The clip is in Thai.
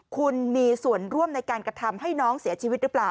คุณมีส่วนร่วมในการกระทำให้น้องเสียชีวิตหรือเปล่า